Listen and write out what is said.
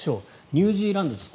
ニュージーランドです。